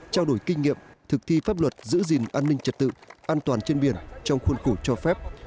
trao đổi kinh nghiệm thực thi pháp luật giữ gìn an ninh trật tự an toàn trên biển trong khuôn khổ cho phép